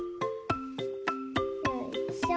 よいしょ。